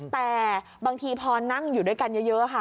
แต่บางทีพอนั่งอยู่ด้วยกันเยอะค่ะ